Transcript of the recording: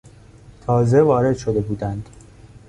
تازه وارد شده بودند.